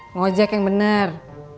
ngojek yang bener